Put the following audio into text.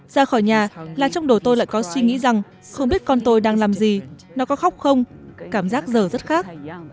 ra khỏi nhà là trong đầu tôi lại có suy nghĩ rằng không biết con tôi đang làm gì nó có khóc không cảm giác giờ rất khác